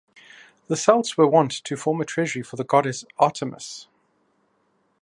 The Celts were wont to form a treasury for the goddess Artemis.